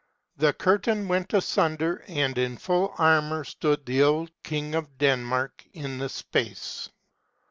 The curtain went asun der, and in full armor stood the old king of Denmark in the space.